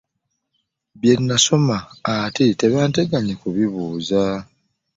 Bye nasoma ate tebateganye kubibuuza.